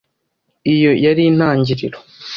Iyo yari intangiriro